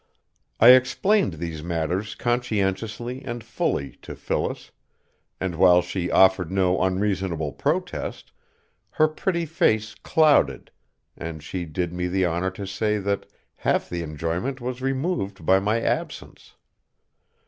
I explained these matters conscientiously and fully to Phyllis, and while she offered no unreasonable protest, her pretty face clouded, and she did me the honor to say that half the enjoyment was removed by my absence.